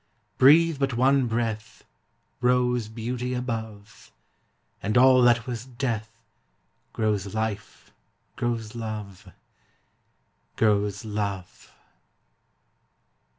Breathe but one breath Rose beauty above, And all that was death Grows life, grows love, Grows love!